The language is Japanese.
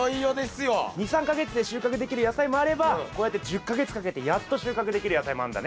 ２３か月で収穫できる野菜もあればこうやって１０か月かけてやっと収穫できる野菜もあるんだね。